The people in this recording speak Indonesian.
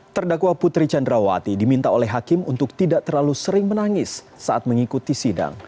terdakwa putri candrawati diminta oleh hakim untuk tidak terlalu sering menangis saat mengikuti sidang